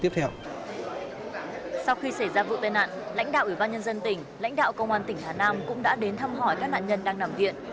sau khi xảy ra vụ tai nạn lãnh đạo ủy ban nhân dân tỉnh lãnh đạo công an tỉnh hà nam cũng đã đến thăm hỏi các nạn nhân đang nằm viện